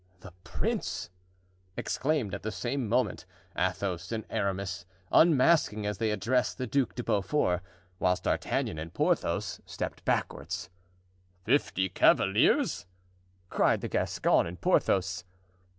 "The prince!" exclaimed at the same moment Athos and Aramis, unmasking as they addressed the Duc de Beaufort, whilst D'Artagnan and Porthos stepped backward. "Fifty cavaliers!" cried the Gascon and Porthos.